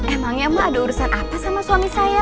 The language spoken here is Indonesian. emangnya mbak ada urusan apa sama suami saya